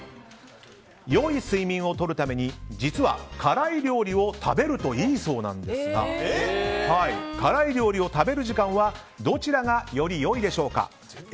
良い睡眠をとるために辛い料理を食べるといいそうなんですが辛い料理を食べる時間はどちらがより良いでしょうか。